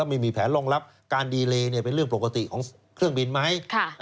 เราไม่มีแผนรองรับการดีเลย์เนี่ยเป็นเรื่องปกติของเครื่องบินไหมค่ะ